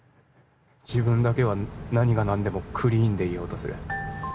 自分だけは何が何でもクリーンでいようとする